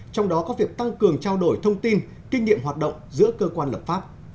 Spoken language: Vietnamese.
trong đó có việc tăng cường trao đổi thông tin kinh nghiệm hoạt động giữa cơ quan lập pháp